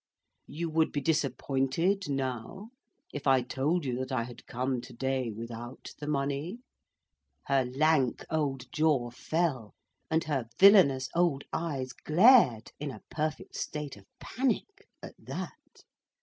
You would be disappointed, now, if I told you that I had come to day without the money?"—(her lank old jaw fell, and her villainous old eyes glared, in a perfect state of panic, at that!)